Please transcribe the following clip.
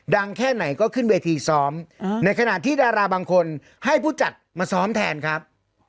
แค่ไหนก็ขึ้นเวทีซ้อมในขณะที่ดาราบางคนให้ผู้จัดมาซ้อมแทนครับ